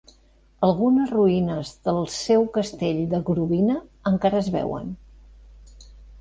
Algunes ruïnes del seu castell de Grobina encara es veuen.